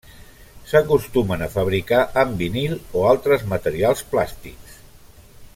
S'acostumen a fabricar amb vinil o altres materials plàstics.